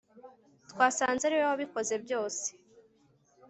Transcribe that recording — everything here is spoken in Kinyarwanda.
twasanze ari we wabikoze byose